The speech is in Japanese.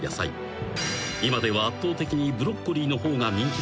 ［今では圧倒的にブロッコリーの方が人気だが実は］